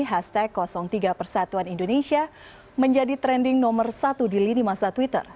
hashtag tiga persatuan indonesia menjadi trending nomor satu di lini masa twitter